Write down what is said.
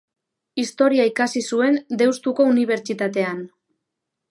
Historia ikasi zuen Deustuko Unibertsitatean.